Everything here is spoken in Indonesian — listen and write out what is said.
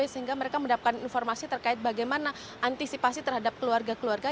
sehingga mereka mendapatkan informasi terkait bagaimana antisipasi terhadap keluarga keluarga